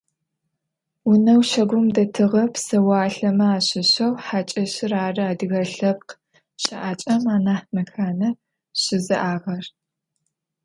Унэу щагум дэтыгъэ псэуалъэмэ ащыщэу хьакӏэщыр ары адыгэ лъэпкъ щыӏакӏэм анахь мэхьанэ щызиӏагъэр.